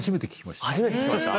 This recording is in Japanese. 初めて聞きました。